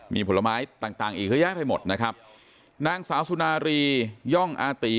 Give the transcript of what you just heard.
มีผลไม้ต่างต่างอีกเยอะแยะไปหมดนะครับนางสาวสุนารีย่องอาตี